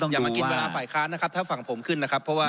อย่ามากินเวลาฝ่ายค้านนะครับถ้าฝั่งผมขึ้นนะครับเพราะว่า